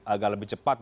agak lebih cepat